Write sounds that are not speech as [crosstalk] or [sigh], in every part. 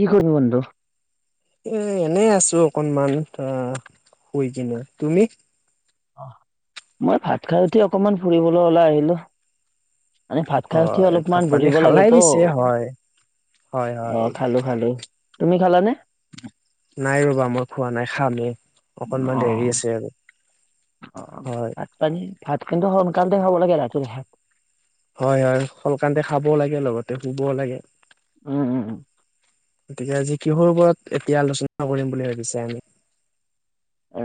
কি কৰিবি বন্ধু? এ এনেই আছো অকনমান ধা শুই কিনে। তুমি? অ মই ভাত খাই উঠি অকমান ফুৰিবলৈ ওলাই আহিলো। মানে ভাত খাই উঠি হয় ভাত অলপমান পানী বুৰিব লাগে খালাই ত, পিছে হয় হয় অ হয় খালো খালো। তুমি খালানে? নাই ৰবা মই খোৱা নাই খাম হে, অ অকনমান দেৰি আছে আৰু। অ হয় ভাত পানী ভাত কিন্তু সোনকালতে খাব লাগে ৰাতিৰ ভাত। হয় হয় শলকান্তে খাবও লাগে লগতে শুবও লাগে। উম উম উম। গতিকে আজি কিহৰ ওপৰত এতিয়া আলোচনা কৰিম বুলি ভাবিছে আমি?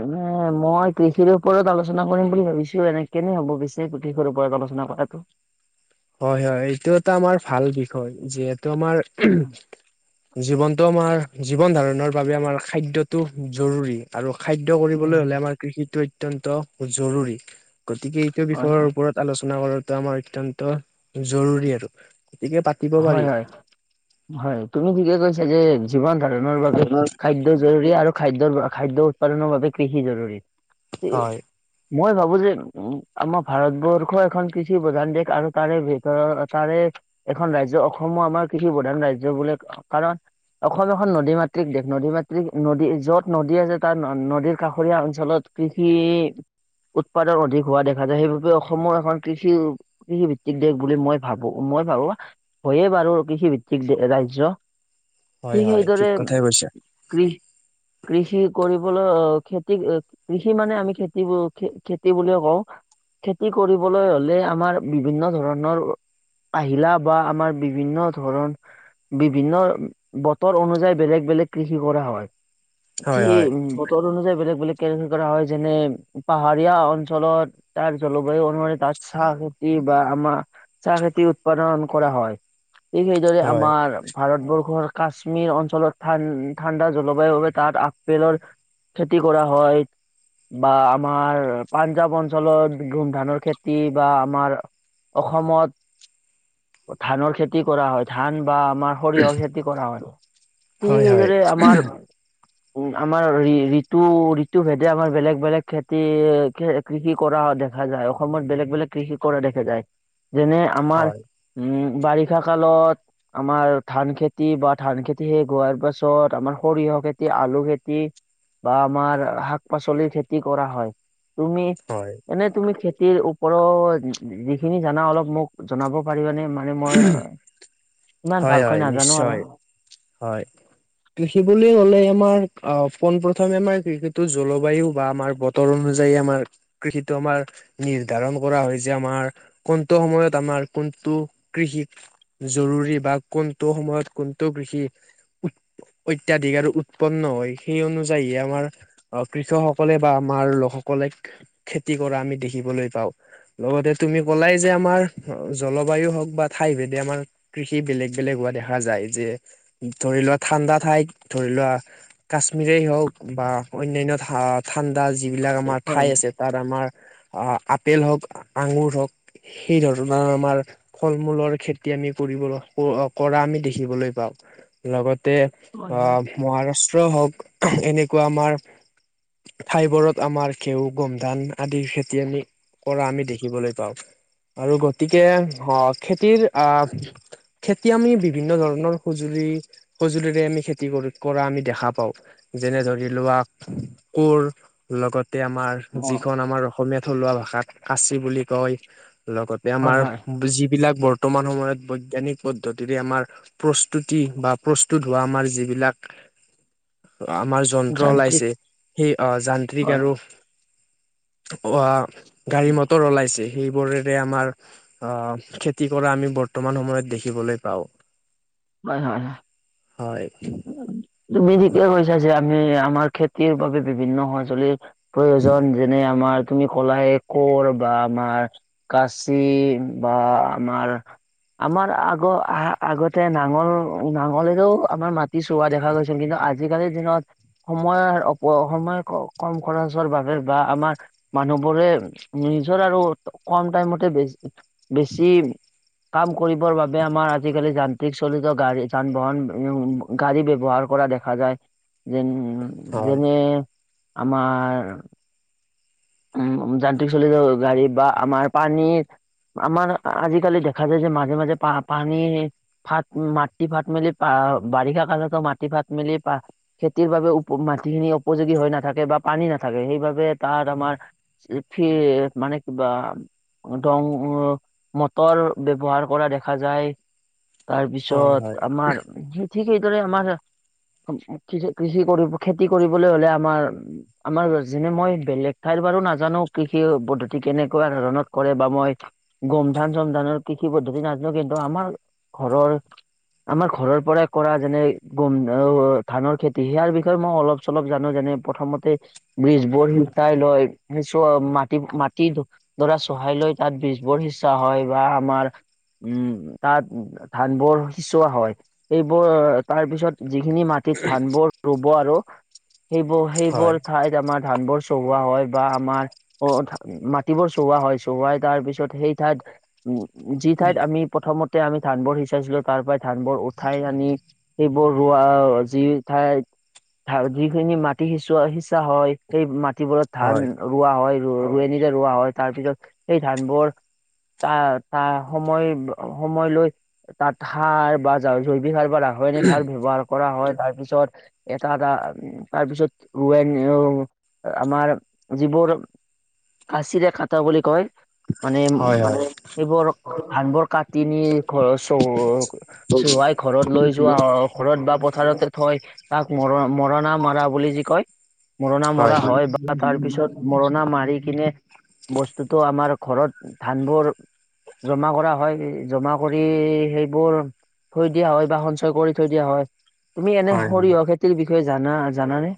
মানে মই কৃষিৰ ওপৰত আলোচনা কৰিম বুলি ভাবিছো এনে কেনে হ'ব পিছে কৃষি ওপৰত আলো- ঝোনা কৰাটো। [inaudible] হয় হয় এইটো এটা আমাৰ ভাল বিষয় যিহেতু আমাৰ জীৱন। ত আমাৰ জীৱন ধাৰণৰ বাবে আমাৰ খাদ্যটো জৰুৰী আৰু খাদ্য কৰিবলৈ হলে আমাৰ কৃষিটো অত্যন্ত জৰুৰী। গতিকে এইটো হয় বিষয়ৰ ওপৰত আলোচনা কৰাটো আমাৰ অতন্ত জৰুৰী আৰু। গতিকে পাতিব হয় পাৰি। হয় হয় তুমি কি কি কৈছা যে, জীৱন ধাৰণৰ বাবে খাদ্য জৰুৰী আৰু খাদ্যৰ খাদ্য উৎপাদনৰ বাবে কৃষি জৰুৰী। তে হয়, মই ভাবো যে উ আমাৰ ভাৰতবৰ্ষ এখন কৃষি প্ৰধান দেশ আৰু তাৰে ভিতৰ তাৰে এখন ৰাজ্য অসমো আমাৰ কৃষি প্ৰধান ৰাজ্য বোলে। কাৰণ- অসম এখন নদী মাতৃক দেশ। নদী মাতৃক নদী য'ত নদী আছে তাৰ নদী কাষৰীয়া অঞ্চলত কৃষি উৎপাদন অধিক হোৱা দেখা যায়। সেইবাবে অসমৰ এখন কৃষি কৃষিভিত্তিক দেশ বুলি মই ভাবো মই ভাবোঅ হয়য়ে বাৰু কৃষি ভিত্তিক ৰাজ্য। হয়, ঠিক হয়, এইদৰে কথাই কৈছা। কৃ- কৃষি কৰিবলৈ অহ খেতি কৃষি মানে আমি খেতি খেতি বুলিয়েই কওঁ। খেতি কৰিবলৈ হলে আমাৰ বিভিন্ন ধৰণৰ আহিলা। বা আমাৰ বিভিন্ন ধৰণ বিভিন্ন বতৰ অনুযায়ী বেলেগ বেলেগ কৃষি কৰা হয়। ঠি হয়, হয়, বতৰ অনুযায়ী বেলেগ বেলেগ। কেন কৰা হয় যেনে পাহাৰীয়া অঞ্চলত তাৰ জলবায়ু অনুসৰি তাত চাহ খেতি, বা আমাৰ চাহ খেতি উৎপাদন। কৰা হয় ঠিক সেইদৰে হয়, আমাৰ ভাৰতবৰ্ষৰ কাশ্মীৰ অঞ্চলত ঠাণ্ডা জলবায়ু বাবে তাত আপেলৰ খেতি কৰা হয়। বা আমাৰ পাঞ্জাৱ অঞ্চলত গুম ধানৰ খেতি বা আমাৰ অসমত ধানৰ খেতি কৰা হয় ধান। বা আমাৰ সৰিয়হৰ খেতি কৰা হয়, ঠিক হয়, হয়, সেইদৰে আমাৰ উম আমাৰ ঋতু ঋতু ভেদে আমাৰ বেলেগ বেলেগ খেতি কৃষি কৰা হয় দে- দেখা যায় অসমত বেলেগ বেলেগ কৃষি কৰা দেখা যায় যেনে আমাৰ হয়, উম বাৰিষা কালত আমাৰ ধান খেতি বা ধান খেতি শেষ হোৱাৰ পাছত আমা- সৰিয়হ খেতি, আলু খেতি বা আমাৰ শাক-পাচলিৰ খেতি কৰা হয়। তুমি হয়, এনে তুমি খেতিৰ ওপৰত যিখিনি জানা অলপ মোক জনাব পাৰিবানে মানে মই ইমান হয় ভালকৈ হয় নাজানো আৰু নিশ্চয় হয় কৃষি বুলি হ'লে আমাৰ অহ পোন প্ৰথমে আমাৰ কৃষিটো জলবায়ু বা আমাৰ বতৰ অনুযায়ী আমাৰ কৃষিটো আমাৰ নিজ- নিৰ্ধাৰণ কৰা হৈছে আমাৰ কোনটো সময়ত আমাৰ কোনটো কৃষি জৰুৰী। বা কোনটো সময়ত কোনটো কৃষি অত্যাধিক আৰু উৎপন্ন হয় সেই অনু- যায়ী আমাৰ কৃষকসকলে বা আমাৰ লোকসকলে খেতি কৰা আমি দেখিবলৈ পাওঁ। লগতে তুমি ক'লাই যে আমাৰ জলবায়ু হওঁক বা ঠাই ভেদে আমাৰ কৃষি কৃষি বেলেগ বেলেগ হোৱা দেখা যায় যে, ধৰি লোৱা ঠাণ্ডা ঠাইত ধৰি লোৱা কাশ্মীৰ তেই হওঁক বা অন্যান্য ঠাণ্ডা যিবিলাক আমাৰ হয় ঠাই আছে তাত আমাৰ অহ আপেল হওঁক, আঙুৰ হওঁক সেই ধৰণৰ আমাৰ ফল মূলৰ খেতি আমি কৰিব ল ফো কৰা আমি দেখিবলৈ পাওঁ। লগতে হয় হয় অহ মহাৰাষ্ট্ৰ ষ্ট হওঁক এনেকুৱা আমাৰ ঠাই বোৰত আমাৰ ঘেহুঁ গোম ধান আদিৰ খেতি আমি কৰা আমি দেখিবলৈ পাওঁ আৰু গতিকে আহ খেতিৰ আহ খেতি আমি বিভিন্ন ধৰণৰ সঁজুলি সঁজুলিৰে আমি খেতি কৰি কৰা আমি দেখা পাওঁ। যেনে ধৰি লোৱা কোৰ লগত তে আমাৰ অ যিখন আমাৰ অসমীয়া থলুৱা ভাষাত কাচি বুলি কয়। লগতে হয় আমাৰ হয় যিবিলাক বৰ্তমান সময়ত বৈজ্ঞানিক পদ্ধতিৰে আমাৰ প্ৰস্তুতি বা প্ৰস্তুত হোৱা আমাৰ যিবিলাক আমাৰ যন্ত্ৰ যান্ত্ৰিক ওলাইছে সেই যান্ত্ৰিক হয় আৰু অহ গাড়ী মটৰ ওলাইছে। সেইবোৰেৰে আমাৰ অহ খেতি কৰা আমি বৰ্তমান সময়ত দেখ- দেখিবলৈ পাওঁ। হয় হয় হয় হয় তুমি থিকেই কৈছা যে আ- আমি আমাৰ খেতিৰ বাবে বিভিন্ন সঁজুলিৰ প্ৰয়োজন। যেনে- আমাৰ তুমি কলাহে কৰ বা আমাৰ কাচি বা আমাৰ আমাৰ আগ আহ আগত তে নাঙল, নাঙলেৰেও আমাৰ মাটি চহোৱা দেখা গৈছিল। কিন্তু আজিকালিৰ দিনত সময় অৰ্থাৎ অপ সময় কম খৰচৰ বাবে বা আমাৰ মানুহ বোৰে নিজৰ আৰু কম টাইমতে বেছ বেছি কাম কৰিবৰ বাবে আমাৰ আজিকালি যান- যান্ত্ৰিক চলিত গাডী যান বাহন গাড়ী ব্যৱহাৰ কৰা দেখা যায়। যেন- উম হয় যেনে আমাৰ উম যান্ত্ৰিক চলিত গাড়ী বা আমাৰ পানী আমাৰ আজিকালি দেখা যায় যে মাজে মাজে পা পানী ফাট মাটি ফাট মেলি পা- অহ বাৰিষা কালতো মাটি ফাট মেলি পা খেতিৰ বাবে মাটিখিনি উপযোগী হৈ নাথাকে বা পান- পানী নাথাকে সেইবাবে তাৰ আমাৰ ফি মানে কিবা দং, মটৰ ব্যৱহাৰ কৰা দেখা যায়। হয় হয় তাৰপিছত আমাৰ ঠিক সেইদৰে আমাৰ কৃষি কৰিব খেতি কৰিবলৈ হলে আমাৰ আমাৰ যেনে মই বেলেগ। ঠাইৰ বাৰু নাজানো কৃষি পদ্ধতি কেনেকুৱা ধৰণত কৰে বা মই গোম ধান চোম ধানৰ কৃ- কৃষি পদ্ধতি নাজানো কিন্তু আমাৰ ঘৰৰ আমাৰ ঘৰৰ পৰাই কৰা যেনে গোম অ ধানৰ খেতি সেয়াৰ বিষয়ে মই অলপ চলপ জানো যেন- নে প্ৰথমতে ব্ৰিজ বোৰ সিজ- চাই লয় মিশ্ৰঅ মাটি মাটি দৰা চহাই লৈ তাত বীজ বোৰ সিঁচা হয় বা আমাৰ উম তাত ধানবোৰ সিচোৱা হয়, সেইবোৰ তাৰ পিছত যিখিনি মাটিত ধানবোৰ ৰুব আৰু সেইবোৰ হয় সেইবোৰ ঠাইত আমাৰ ধান বোৰ চহোৱা হয় বা আমাৰ অ মাটিবোৰ চোৱা হয় চোৱাই তাৰ পিছত সেই ঠাইত উ যি ঠাইত আমি প্ৰথমত তে আমি ধানবোৰ সিচাইছিলো তাৰ পৰাই ধানবোৰ উঠাই আনি সেইবোৰ ৰোৱা যি ঠাইত ধা যিখিনি মাটি সিঁচোৱা সিঁচা হয় সেই মাটিবোৰত ধান হয় ৰোৱা হয়। ৰোৱনী যে ৰোৱা হয় তাৰ পিছত সেই ধানবোৰ তা তা সময় সময় লৈ তাত সাৰ বা যা জৈ- ৱিক সাৰৰ পৰা সৈযনিক সাৰ ব্যৱহাৰ কৰা হয়। তাৰপিছত এটা এটা উৰুৱাই নিয়ে অ আমাৰ যিবোৰ কাচিৰে কাটা বুলি কয় মানে উ হয় হয় এইবোৰ ধান বোৰ কাটি নি ঘৰৰ চৌ চোৱাই ঘৰত লৈ যোৱা হয়। ঘৰত বা পথাৰতে থৈ তাক মৰ মৰণা মৰা বুলি যি কয়, মৰণা হয় মৰা হয় বা তাৰ পিছত মৰণা মাৰি কিনে বস্তুতো আমাৰ ঘৰত ধান বোৰ জমা কৰা হয়। জমা কৰি সেইবোৰ থৈ দিয়া হয় বা সঞ্চয় কৰি থৈ দিয়া হয়। তুমি এনে হয় হয় সৰিয়হ খেতিৰ বিষয়ে জানা জানানে?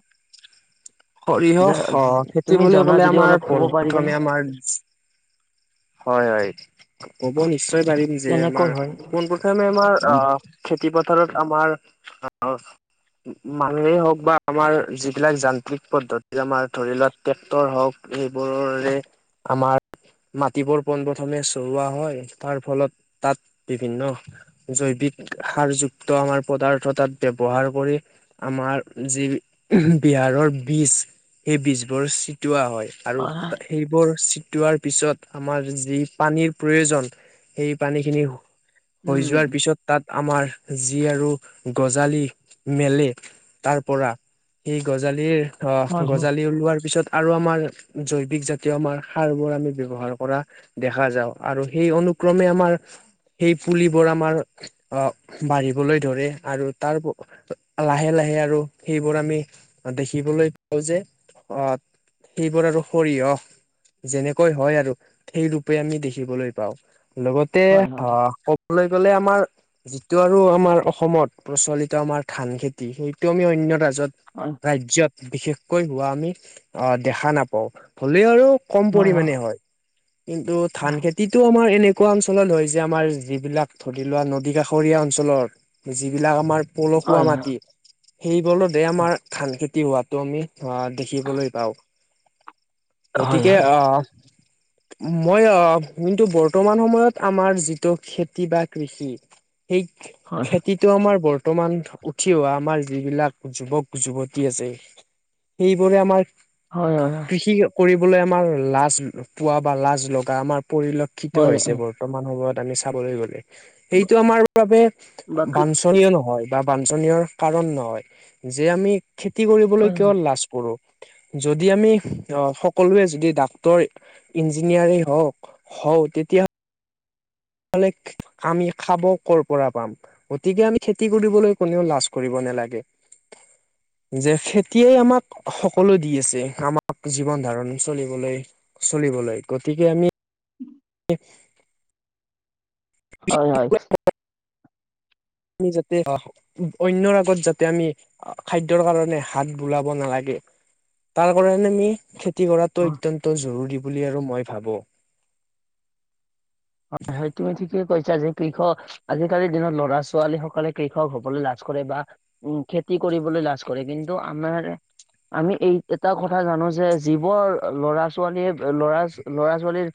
সৰিয়হ হ জা- খেতি তুমি বুলি জনা কলে যদি আমাৰ অলপ পোন ক'ব প্ৰথমে পাৰিবানে আমাৰ হয় হয়। ক'ব নিশ্চয় পাৰিম যে কেনেকৈ আমাৰ হয় পোনপ্ৰথমে আমাৰ অ উম খেতি পথাৰত আমাৰ। অ মানুহেই হওক বা আমাৰ যিবিলাক জান ল্কিক পদ্ধতি আমাৰ ধৰি লোৱা ট্ৰেক্টৰ হওক সেইবোৰৰে আমাৰ মাটিবৰ পন প্ৰথমে চহোৱা হয় তাৰ ফলত তাত বিভিন্ন জৈৱিক সাৰযুক্ত আমাৰ পদাৰ্থ তাত ব্যৱহাৰ কৰি আমাৰ যি বিহাৰৰ বীজ সেই বীজ বোৰ ছিটওৱা হয় আৰু সেইবোৰ ছি- টোৱাৰ পিছত আমাৰ যি পানীৰ প্ৰয়োজন সেই পানী খিনি হৈ যোৱাৰ উম, পিছত তাত আমাৰ যি আৰু গজালি মেলে তাৰ পৰা সেই গজালিৰ অ হয় হয় গজালি ওলোৱাৰ পিছত আৰু আমাৰ জৈৱিক জাতীয় আমাৰ সাৰবোৰ আমি ব্যৱহাৰ কৰা দেখা যাওঁ আৰু সেই অনুক্ৰমে আমাৰ সেই পুলিবোৰ আমাৰ অ বাঢ়িবলৈ ধৰে আৰু তাৰ লাহে লাহ- আহে আৰু সেইবোৰ আমি দেখিবলৈ পাওঁ যে, অহ সেইবোৰ আৰু সৰিয়হ যেনেকৈ হয় আৰু সেই ৰূপে আমি দেখিবলৈ পাওঁ। লগতে হয় হয় অ ক'বলৈ গ'লে আমাৰ যিটো আৰু আমাৰ অসমত প্ৰচলিত আমাৰ ধান খেতি সেইটো আমি অন্য যত হয় ৰাজ্যত বিশেষকৈ হোৱা আমি আহ দেখা নাপাওঁ হলেও আৰু কম হয় পৰিমাণে হয়। কিন্তু ধান খেতিটো আমাৰ এনেক কোৱা অঞ্চলত হয় যে আমাৰ যিবিলাক ধৰি লোৱা নদী কাষৰীয়া অঞ্চলৰ যিবিলাক আমাৰ হয় পলসুৱা হয় হয় মাটি সেইবল দে আমাৰ ধান খেতি হোৱাটো আমি অ দেখিবলৈ পাওঁ। গতিকে হয় অহ। মই অ কিন্তু বৰ্তমান সময়ত আমাৰ যিটো খেতি বা কৃষি সেই খেতিটো আমাৰ বৰ- ৰ্তমান উঠি অহা আমাৰ যিবিলাক যুৱক যুৱতী আছে। সেইবোৰে আমাৰ হয় হয় হয়। কৃষি কৰিবলৈ আমাৰ লাজ পোৱা বা লাজ লগা আমাৰ পৰিলক্ষিত হৈছে হয় বৰ্তমান সময়ত। আমি চাবলৈ গ'লে সেইটো আমাৰ বাবে বাকী বাঞ্চনীয় নহয়। বা বাঞ্চনীয় কাৰণ নহয় যে আমি খেতি কৰিবলৈ হয় কিয় লাজ কৰো। যদি আমি সকলোৱে যদি ডাক্তৰ ইঞ্জিনিয়াৰেই হওঁক হওঁক অ তেতিয়া লে আমি খাব কৰ পৰা পাম গতিকে আমি খেতি কৰিবলৈ কোনেও লাজ কৰিব নেলাগে। যে খেতিয়ে আমাক সকলো দি আছে আমাক জীৱন ধাৰণ চলিবলৈ চলিবলৈ, গতিকে আমি হয় হয়। আমি যাতে অ অন্য আগত যাতে আমি খাদ্যৰ কাৰণে হাত বোলাব নালাগে। তাৰ কাৰণে আমি খেত- খেতি কৰাটো হয় অত্যন্ত জৰুৰী বুলি আৰু মই ভাবোঁ। হয় সেইটোৱে ঠিকে কৈছা যে কৃষক আজি-কালিৰ দিনত ল'ৰা-ছোৱালী সকলে কৃষক হ'বলৈ লাজ কৰে বা উম খেত তি কৰিবলৈ লাজ কৰে। কিন্তু আমাৰ আমি এই এটা কথা জানো যে যিবোৰ ল'ৰা ছোৱালীয়ে ল'ৰা-ল'ৰা ছোৱালীৰ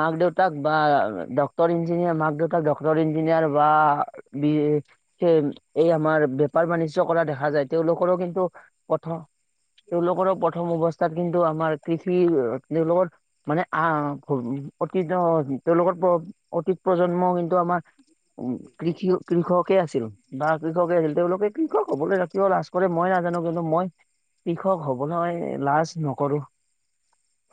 মাক-দেউতাক বা ডক্টৰ ইঞ্জিনিয়াৰ মাক-দেউতাক ডক্টৰ ইঞ্জিনিয়াৰ বা বি এই আমাৰ আৰু বেপাৰ-বাণিজ্য কৰা দেখা যায়। তেওঁলোকৰো কিন্তু কথ তেওঁলোকৰো প্ৰথম অৱস্থাত কিন্তু আমাৰ কৃষি তেওঁ লগত মানে আহ অতি জ তেওঁলোকৰ প অতীত প্ৰজন্ম কিন্তু আমাৰ উ কৃষি কৃষক কে আছিল বা কৃষকে আছিল। তেওঁলোকে কৃষক হবলৈ কিয় লাজ কৰে মই নাজানো। কিন্তু মই কৃষক হবলৈ লাজ নকৰোঁ।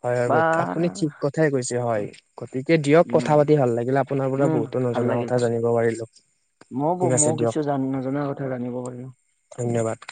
হয় হয়। [unintelligible] আপুনি ঠিক কথাই কৈছে হয়। [unintelligible] এ দিয়ক উম কথা পাতি ভাল লাগিলে। আপোনাৰ পৰা বহুতো নজনা কথা জানিব পাৰিলো। মই ঠিক আছে মই দিয়ক কিছু জান নজনা কথা জানিব পাৰিলো। ধন্যবাদ